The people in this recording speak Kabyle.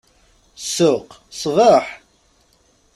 Ssuq, ṣṣbeḥ!